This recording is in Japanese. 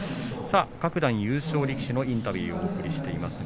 各段優勝力士のインタビューをお送りしています。